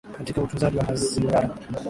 katika utunzaji wa mazingira